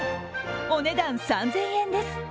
お値段３０００円です。